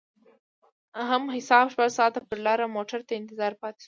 په حساب شپږ ساعته پر لار موټر ته انتظار پاتې شوم.